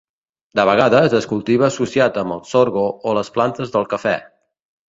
De vegades es cultiva associat amb el sorgo o les plantes del cafè.